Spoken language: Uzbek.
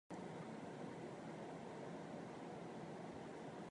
Shuningdek, shu muddatda qancha go‘sht yetishtirilgani ma’lum qilindi